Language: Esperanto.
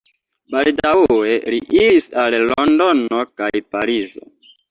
Baldaŭe li iris al Londono kaj Parizo.